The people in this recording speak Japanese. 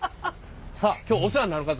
さあ今日お世話になる方。